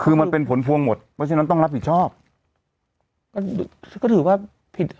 คือมันเป็นผลพวงหมดเพราะฉะนั้นต้องรับผิดชอบก็ก็ถือว่าผิด